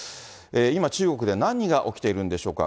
今、中国では何が起きているんでしょうか。